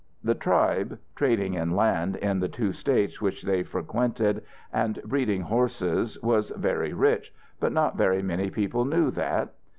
The tribe, trading in land in the two States which they frequented, and breeding horses, was very rich, but not very many people knew that.